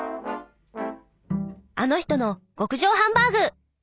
あの人の極上ハンバーグ。